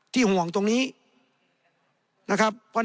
ในทางปฏิบัติมันไม่ได้